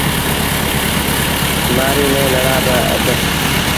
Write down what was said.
مهآريٚ ميݩ لڙآ ٻڌ۔